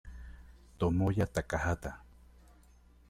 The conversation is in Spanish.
Tomoya Takahata